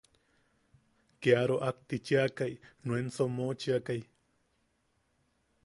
Kia roʼaktchiakai nuen somochiakai.